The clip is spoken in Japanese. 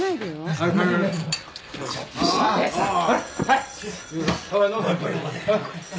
はい。